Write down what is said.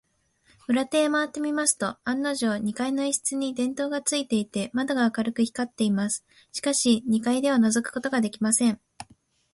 裏手へまわってみますと、案のじょう、二階の一室に電燈がついていて、窓が明るく光っています。しかし、二階ではのぞくことができません。